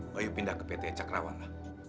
bayu pindah ke pt cakrawala